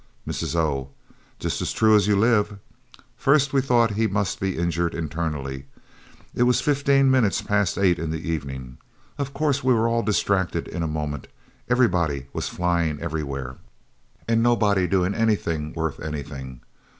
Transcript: Mrs. O. "Just as true as you live. First we thought he must be injured internally. It was fifteen minutes past 8 in the evening. Of course we were all distracted in a moment everybody was flying everywhere, and nobody doing anything worth anything.